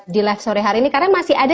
di live sore hari ini karena masih ada